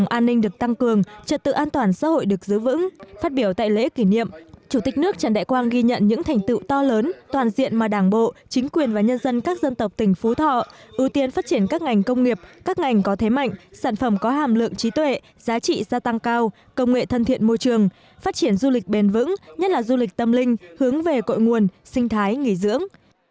an toàn xã hội được giữ vững phát biểu tại lễ kỷ niệm chủ tịch nước trần đại quang ghi nhận những thành tựu to lớn toàn diện mà đảng bộ chính quyền và nhân dân các dân tộc tỉnh phú thọ ưu tiên phát triển các ngành công nghiệp các ngành có thế mạnh sản phẩm có hàm lượng trí tuệ giá trị gia tăng cao công nghệ thân thiện môi trường phát triển du lịch bền vững nhất là du lịch tâm linh hướng về cội nguồn sinh thái nghỉ dưỡng